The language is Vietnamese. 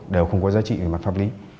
đều không có giá trị về mặt pháp lý